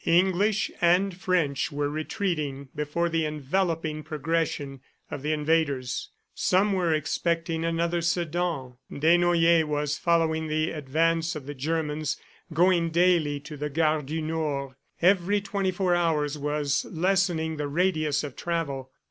English and French were retreating before the enveloping progression of the invaders. Some were expecting another Sedan. Desnoyers was following the advance of the Germans, going daily to the Gare du Nord. Every twenty four hours was lessening the radius of travel.